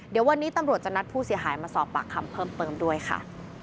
เดี๋ยววันนี้ตำรวจจะนัดผู้เสียหายมาสอบปากคำเพิ่มเติมด้วยค่ะ